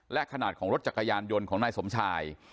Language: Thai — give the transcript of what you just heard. และขนาดของรถจักรยานยนต์ของนายสมชาย